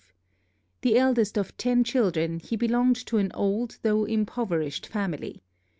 The eldest of ten children, he belonged to an old though impoverished family.